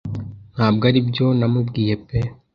Ntabwo aribyo namubwiye pe